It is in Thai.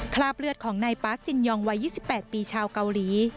คราบเลือดของนายป๊าจินยองวัยยี่สิบแปดปีชาวเกาหลี